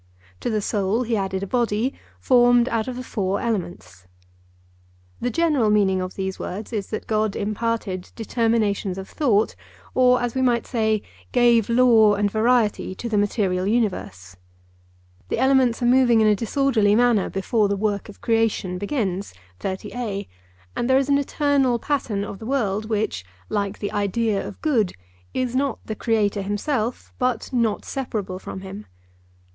To the soul he added a body formed out of the four elements. The general meaning of these words is that God imparted determinations of thought, or, as we might say, gave law and variety to the material universe. The elements are moving in a disorderly manner before the work of creation begins; and there is an eternal pattern of the world, which, like the 'idea of good,' is not the Creator himself, but not separable from him.